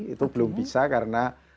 itu belum bisa karena